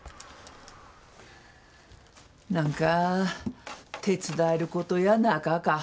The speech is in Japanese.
何か手伝えることやなかか。